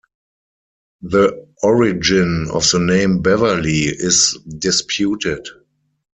The origin of the name Beverly is disputed.